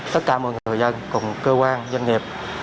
tất cả mọi người dân cùng cơ quan doanh nghiệp